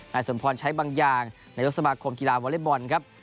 นายสมพรณ์ใช้บางอย่างในยกสมาคมกีฬาวอเลบอลครับ